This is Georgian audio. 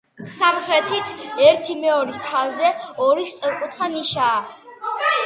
სამხრეთით, ერთი მეორის თავზე, ორი სწორკუთხა ნიშაა.